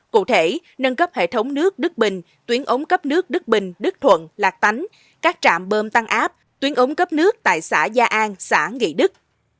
cụ thể nâng cấp hệ thống nước đức bình tuyến ống cấp nước đức bình đức thuận lạc tánh các trạm bơm tăng áp tuyến ống cấp nước tại xã gia an xã nghị đức